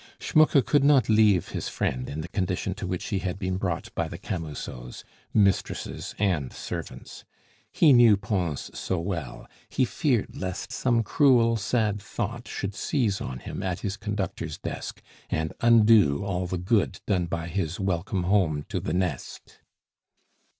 Schmucke could not leave his friend in the condition to which he had been brought by the Camusots mistresses and servants. He knew Pons so well; he feared lest some cruel, sad thought should seize on him at his conductor's desk, and undo all the good done by his welcome home to the nest.